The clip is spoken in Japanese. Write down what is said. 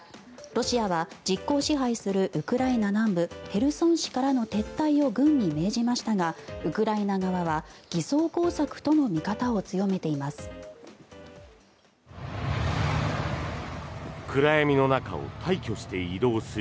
ロシアは実効支配するウクライナ南部ヘルソン市からの撤退を軍に命じましたがウクライナ側は偽装工作との見方を強めています。